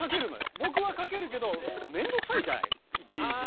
僕はかけるけど面倒くさいじゃないいちいち。